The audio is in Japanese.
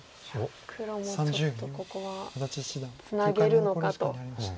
黒もちょっとここはツナげるのかと。